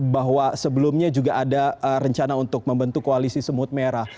bahwa sebelumnya juga ada rencana untuk membentuk koalisi semut merah